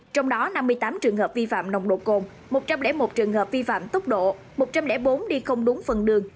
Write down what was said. trong đó năm mươi tám trường hợp vi phạm nồng độ cồn một trăm linh một trường hợp vi phạm tốc độ một trăm linh bốn đi không đúng phần đường